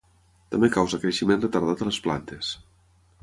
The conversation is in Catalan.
També causa creixement retardat a les plantes.